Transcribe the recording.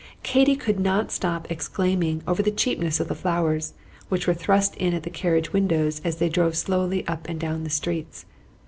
Katy could not stop exclaiming over the cheapness of the flowers, which were thrust in at the carriage windows as they drove slowly up and down the streets.